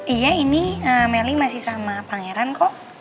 iya ini melly masih sama pangeran kok